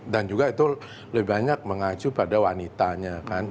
dan juga itu lebih banyak mengacu pada wanitanya kan